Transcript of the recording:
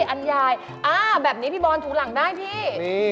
อันยายแบบนี้พี่บอลถูหลังได้พี่